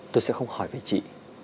tôi sẽ không hỏi về chị